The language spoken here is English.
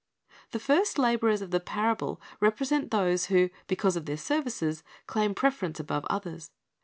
The first laborers of the parable represent those who, be cause of their services, claim preference above others.